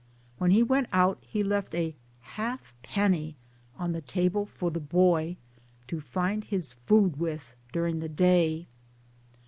When he went out he left a halfpenny on the table for the boy to find his food with during the day